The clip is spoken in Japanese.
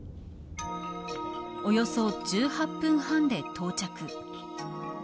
およそ１８分半で到着。